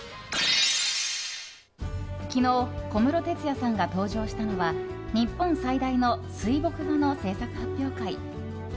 昨日、小室哲哉さんが登場したのは日本最大の水墨画の制作発表会。